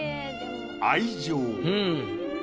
「愛情」。